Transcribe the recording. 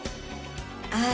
「ああ。